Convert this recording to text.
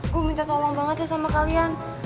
gue minta tolong banget ya sama kalian